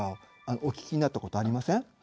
お聞きになったことありません？